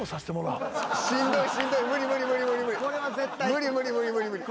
無理無理無理無理無理！